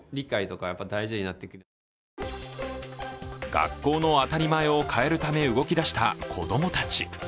学校の当たり前を変えるため動きだした子どもたち。